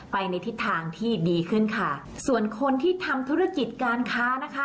ไปในทิศทางที่ดีขึ้นค่ะส่วนคนที่ทำธุรกิจการค้านะคะ